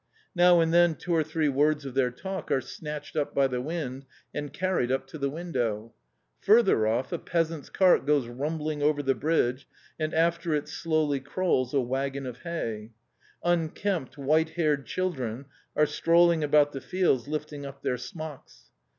Now and then two or three words of their talk are snatched up by the wind and carried up to the window. Further off, a peasant's cart goes rumbling over the bridge and after it slowly crawls a waggon of hay. Unkempt, white haired children are strolling about the fields lifting up their smocks.